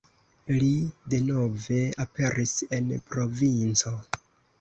Li denove aperis en provinco.